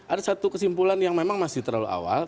ada satu kesimpulan yang memang masih terlalu awal